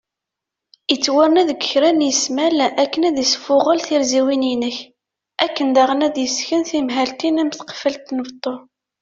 Ittwarna deg kra n ismal akken ad isfuγel tirziwin inek , akken daγen ad d-yesken timahaltin am tqefalt n beṭṭu